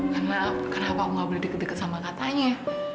kenapa kenapa aku gak boleh deket deket sama katanya